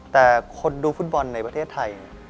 แต่คนดูฟุตบอลในประเทศไทย